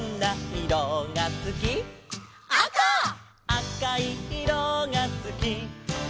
「あかいいろがすき」